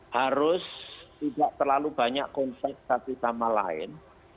harus tidak terlalu banyak konteks satu sama lain